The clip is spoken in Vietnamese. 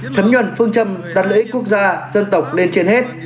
thấm nhuận phương châm đặt lợi ích quốc gia dân tộc lên trên hết